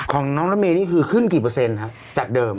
ของน้องรถเมย์นี่คือขึ้นกี่เปอร์เซ็นต์จากเดิม